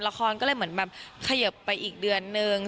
ละครก็เลยเหมือนแบบเขยิบไปอีกเดือนนึง